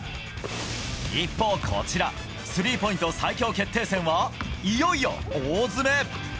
一方、こちら、スリーポイント最強決定戦は、いよいよ大詰め。